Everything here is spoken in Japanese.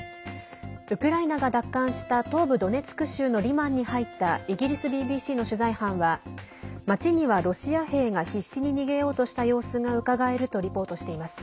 ウクライナが奪還した東部ドネツク州のリマンに入ったイギリスＢＢＣの取材班は町にはロシア兵が必死に逃げようとした様子がうかがえるとリポートしています。